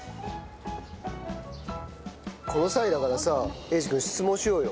この際だからさ英二君質問しようよ。